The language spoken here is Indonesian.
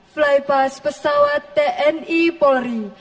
flypass pesawat tni polri